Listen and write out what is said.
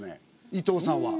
伊藤さんは。